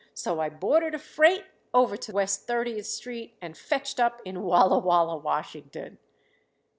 So I boarded a freight over to West Thirtieth Street and fetched up in Walla Walla, Washington."